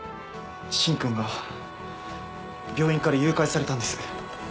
芯君が病院から誘拐されたんです。